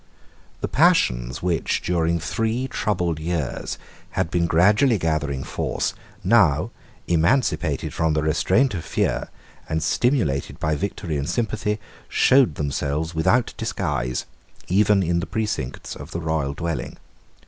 The passions which, during three troubled years, had been gradually gathering force, now, emancipated from the restraint of fear, and stimulated by victory and sympathy, showed themselves without disguise, even in the precincts of the royal dwelling.